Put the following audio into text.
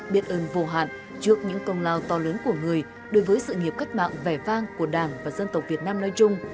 biết ơn vô hạn trước những công lao to lớn của người đối với sự nghiệp cách mạng vẻ vang của đảng và dân tộc việt nam nói chung